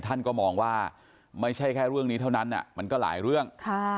ท่านก็มองว่าไม่ใช่แค่เรื่องนี้เท่านั้นมันก็หลายเรื่อง